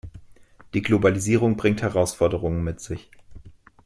Die Globalisierung bringt Herausforderungen mit sich.